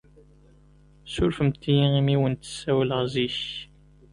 Surfemt-iyi imi went-ssawleɣ zik.